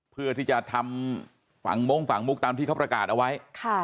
เพื่อที่จะทำฝั่งมงฝั่งมุกตามที่เขาประกาศเอาไว้